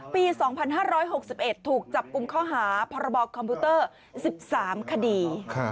ปี๒๕๖๑ถูกจับกลุ่มข้อหาพรบคอมพิวเตอร์๑๓คดี